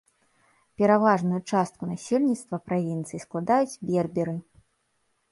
Пераважную частку насельніцтва правінцыі складаюць берберы.